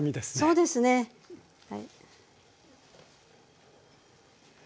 そうですねはい。